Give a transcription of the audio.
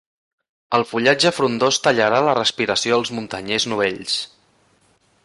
Ell fullatge frondós tallarà la respiració als muntanyers novells.